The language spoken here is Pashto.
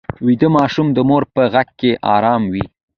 ویده ماشوم د مور په غېږ کې ارام وي